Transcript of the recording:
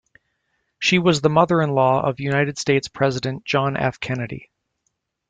She was the mother-in-law of United States President John F. Kennedy.